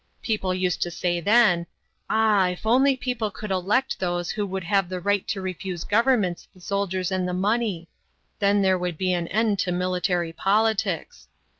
People used to say then: 'Ah, if only people could elect those who would have the right to refuse governments the soldiers and the money then there would be an end to military politics.'